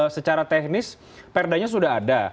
secara teknis perdanya sudah ada